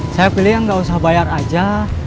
saya pilih yang nggak usah bayar aja